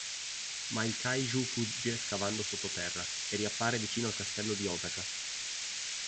Ma il kaiju fugge scavando sotto terra e riappare vicino al Castello di Osaka.